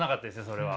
それは。